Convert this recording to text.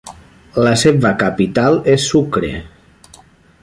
La seva capital és Sucre.